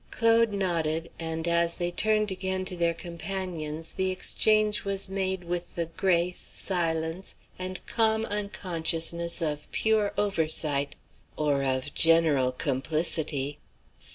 Claude nodded, and as they turned again to their companions the exchange was made with the grace, silence, and calm unconsciousness of pure oversight, or of general complicity.